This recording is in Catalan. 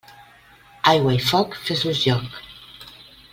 Aigua i foc, fes-los lloc.